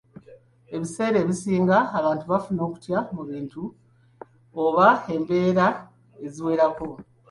Ebiseera ebisinga abantu bafuna okutya ku bintu oba embeera eziwerako